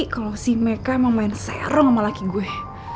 kalau si meka emang main sereng sama laki gue